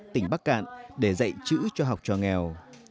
tỉnh bắc cạn để dạy chữ cho học trò nghèo